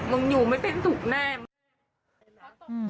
มึงอยู่ไม่เป็นสุขแน่